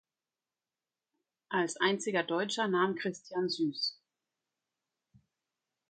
Als einziger Deutscher nahm Christian Süß.